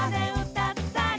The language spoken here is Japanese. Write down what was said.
「歌ったり」